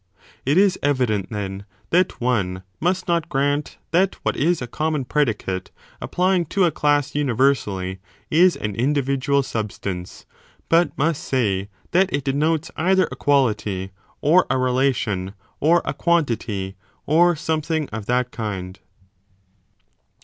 It is evident then that one must not grant that what is a common predicate applying to a class universally is an individual substance, but must say that it denotes either a 10 quality, or a relation, or a quantity, or something of that kind.